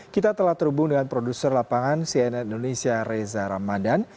kita telah terhubung dengan produser lapangan cnn indonesia reza ramadan